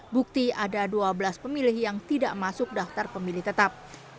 bukti ada dua belas pemilih yang tidak masuk daftar pemilih tetap